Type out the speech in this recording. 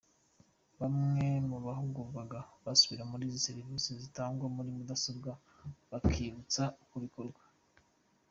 Bamwe mu bahugurwaga basubira no muri Serivise zitangwa kuri mudasobwa bakiyibutsa uko bikorwa.